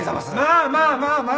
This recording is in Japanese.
まあまあまあまあ！